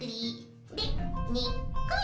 でにっこり！